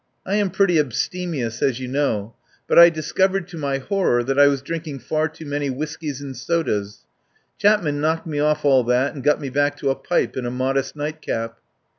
I am pretty abste mious, as you know, but I discovered, to my horror, that I was drinking far too many whis keys and sodas. Chapman knocked me off all that and got me back to a pipe and a modest nightcap.